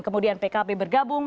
kemudian pkb bergabung